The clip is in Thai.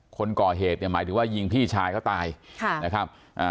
คนก่อเหตุเนี่ยหมายถึงว่ายิงพี่ชายเขาตายค่ะนะครับอ่า